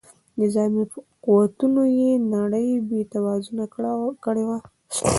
نظامي قوتونو یې نړۍ بې توازونه کړې وه.